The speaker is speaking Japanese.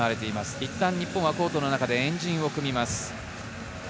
いったん日本はコートの中で円陣を組みます。